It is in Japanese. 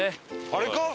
あれか？